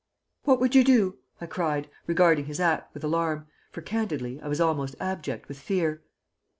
"'What would you do?' I cried, regarding his act with alarm, for, candidly, I was almost abject with fear.